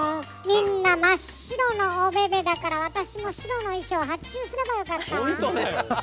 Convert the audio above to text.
みんな真っ白のおべべだから私も白の衣装発注すればよかったわ。